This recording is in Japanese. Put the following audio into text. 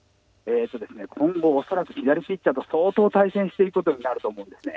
☎今後恐らく左ピッチャーと相当対戦していく事になると思うんですね。